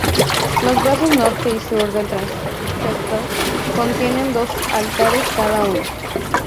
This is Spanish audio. Los brazos norte y sur del transepto contienen dos altares cada uno.